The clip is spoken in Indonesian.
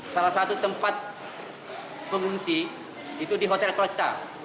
salah satu tempat pengungsi itu di hotel klokta